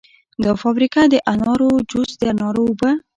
دا فابریکه د انارو جوس، د انارو اوبه